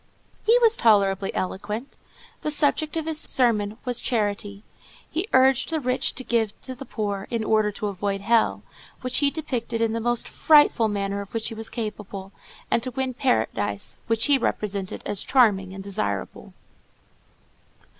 He was tolerably eloquent. The subject of his sermon was charity. He urged the rich to give to the poor, in order to avoid hell, which he depicted in the most frightful manner of which he was capable, and to win paradise, which he represented as charming and desirable.